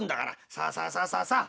さあさあさあさあさあ！